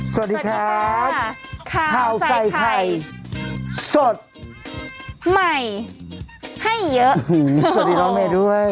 สวัสดีครับข้าวใส่ไข่สดใหม่ให้เยอะสวัสดีน้องเมย์ด้วย